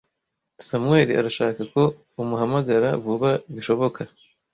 Samuel arashaka ko umuhamagara vuba bishoboka.